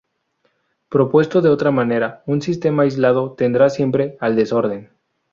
Propuesto de otra manera, un sistema aislado tenderá siempre al desorden.